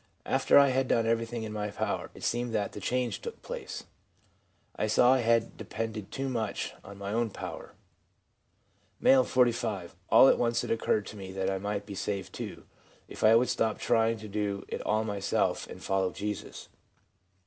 'After I had done everything in my power, it seemed that the change took place ; I saw I had depended too much on my own power/ M., 45. ' All at once it occurred to me that I might be saved, too, if I would stop trying to do it all myself, and follow Jesus.